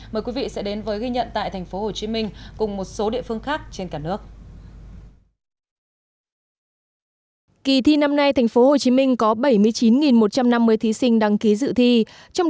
mời quý vị sẽ đến với ghi nhận tại tp hcm cùng một số địa phương khác trên cả nước